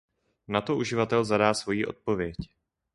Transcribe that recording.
Nato uživatel zadá svoji odpověď.